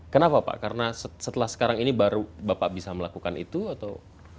kenapa pak karena setelah sekarang ini baru bapak bisa melakukan itu atau